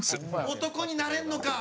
漢になれるのか？